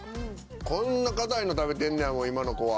こんな硬いの食べてんねや今の子は。